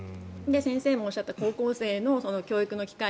先生もおっしゃった高校生の教育の機会